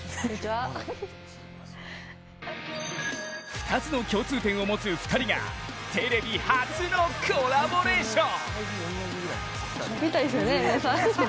２つの共通点を持つ２人がテレビ初のコラボレーション！